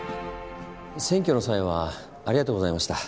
選挙の際はありがとうございました。